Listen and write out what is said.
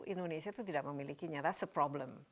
indonesia itu tidak memiliki nyata se problem